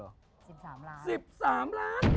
๑๓ล้าน